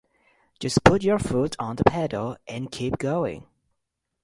Just put your foot on the pedal and keep going.